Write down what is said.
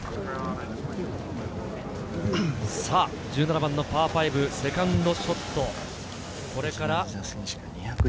１７番のパー５、セカンドショット。